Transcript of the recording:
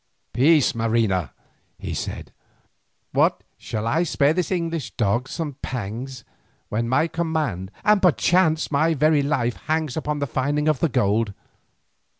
"Peace, Marina," he said. "What, shall I spare this English dog some pangs, when my command, and perchance my very life, hangs upon the finding of the gold?